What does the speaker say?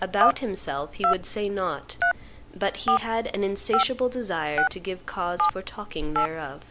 About himself he would say nought, but he had an insatiable desire to give cause for talking thereof.